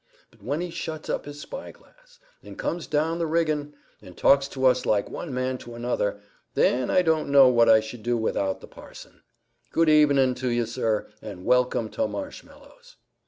But when he shuts up his spyglass, and comes down the riggin', and talks to us like one man to another, then I don't know what I should do without the parson. Good evenin' to you, sir, and welcome to Marshmallows."